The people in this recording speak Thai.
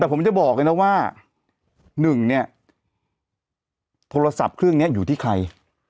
แต่ผมจะบอกกันแล้วว่าหนึ่งเนี้ยโทรศัพท์เครื่องเนี้ยอยู่ที่ใคร